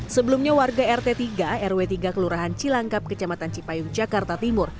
sebelumnya warga rt tiga rw tiga kelurahan cilangkap kecamatan cipayung jakarta timur